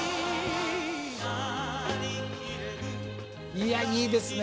いやいいですね！